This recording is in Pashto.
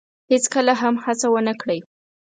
هیڅکله هم هڅه ونه کړی